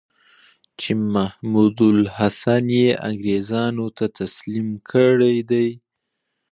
چې محمودالحسن یې انګرېزانو ته تسلیم کړی دی.